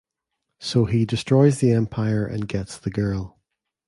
So he destroys the Empire and gets the girl.